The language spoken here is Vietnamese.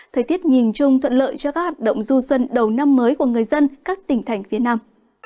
thời tiết nhìn chung thuận lợi cho các hoạt động du xuân đầu năm mới của người dân các tỉnh thành phía nam